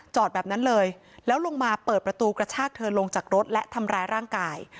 แบบนั้นเลยแล้วลงมาเปิดประตูกระชากเธอลงจากรถและทำร้ายร่างกาย